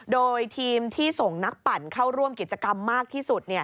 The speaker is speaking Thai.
โดยทีมที่ส่งนักปั่นเข้าร่วมกิจกรรมมากที่สุด